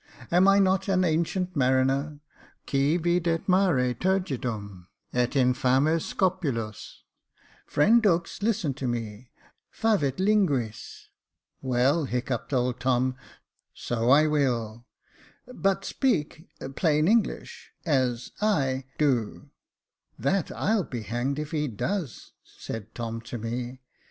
Am I not an ancient mariner —* Qui videt mare turgtdutn — et infames scopulos^ Friend Dux, listen to vciQ—favet Unguis.''^ " Well," hiccuped old Tom, " so I will — but speak — plain English — as I — do." " That I'll be hanged if he does," said Tom to me.